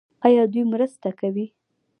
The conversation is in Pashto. آیا دوی مرسته کوي؟